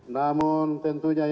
namun tentunya ini